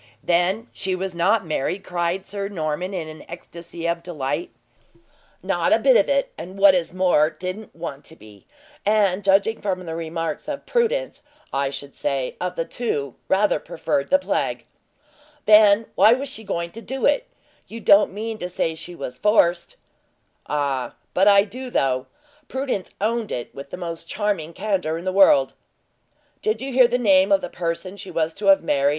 "Then she was not married?" cried Sir Norman, in an ecstasy of delight. "Not a bit of it; and what is more, didn't want to be; and judging from the remarks of Prudence, I should say, of the two, rather preferred the plague." "Then why was she going to do it? You don't mean to say she was forced?" "Ah, but I do, though! Prudence owned it with the most charming candor in the world." "Did you hear the name of the person she was to have married?"